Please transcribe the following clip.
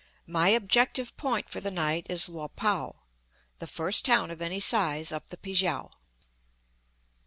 My objective point for the night is Lo pow, the first town of any size up the Pi kiang.